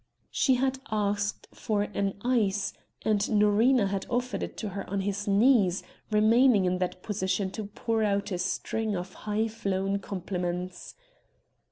She had asked for an ice and Norina had offered it to her on his knees, remaining in that position to pour out a string of high flown compliments.